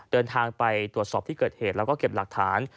เดินทางไปตรวจสอบที่เกิดเหตุแล้วก็เก็บหลักฐาน